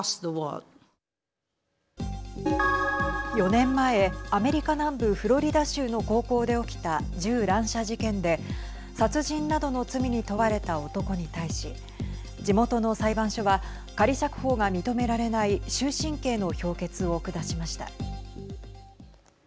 ４年前、アメリカ南部フロリダ州の高校で起きた銃乱射事件で殺人などの罪に問われた男に対し地元の裁判所は仮釈放が認められない終身刑の評決を下しました。